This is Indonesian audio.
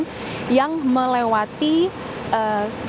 gerbang tol cikampek utama ke arah palimanan